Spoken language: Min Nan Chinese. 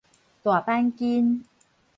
大板筋